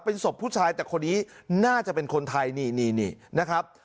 เป็นศพผู้ชายแต่คนนี้น่าจะเป็นคนไทยนี่นี่นะครับ